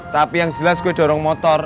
tapi yang jelas gue dorong motor